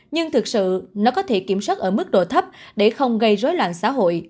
nhưng thực sự nó có thể kiểm soát ở mức độ thấp để không gây rối loạn xã hội